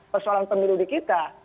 persoalan pemilu di kita